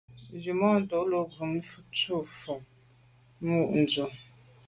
Nzwimàntô lo ghom fotmbwe ntùm mo’ dù’.